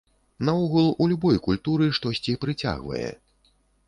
Наогул, у любой культуры штосьці прыцягвае.